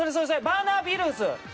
「バーナーヒルズ」。